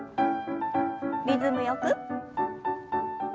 リズムよく。